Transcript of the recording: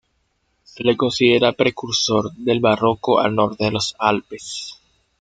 Se le considera precursor del Barroco al norte de los Alpes.